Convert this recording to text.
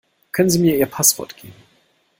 Können sie mir ihr Passwort geben?